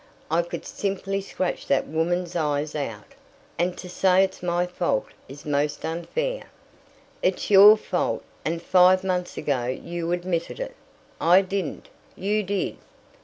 "I could simply scratch that woman's eyes out, and to say it's my fault is most unfair." "It's your fault, and five months ago you admitted it." "I didn't." "You did."